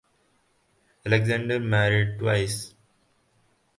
Alexander married twice.